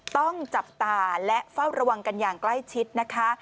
ต้องจับตาและเฝ้าระวังกันอย่างใกล้ชิดนะคะ